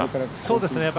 そうですね